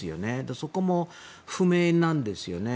そこも不明なんですよね。